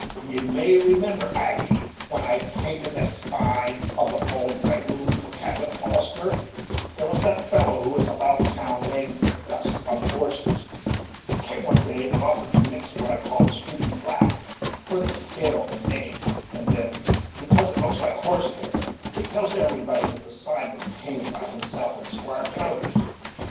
You may remember, Aggy, when I painted the sign of the bold dragoon for Captain Hollister there was that fellow, who was about town laying brick dust on the houses, came one day and offered to mix what I call the streaky black, for the tail and mane; and then, because it looks like horse hair, he tells everybody that the sign was painted by himself and Squire Jones.